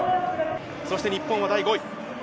そして日本は第５位。